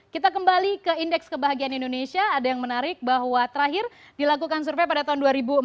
kita kembali ke indeks kebahagiaan indonesia ada yang menarik bahwa terakhir dilakukan survei pada tahun dua ribu empat belas